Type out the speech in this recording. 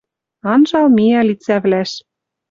Анжал миӓ лицӓвлӓш.